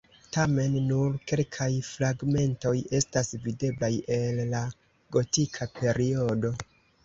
Tamen nur kelkaj fragmentoj estas videblaj el la gotika periodo.